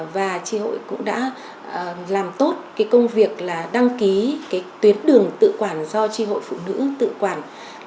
và tri hội cũng đã làm tốt cái công việc là đăng ký tuyến đường tự quản do tri hội phụ nữ tự quản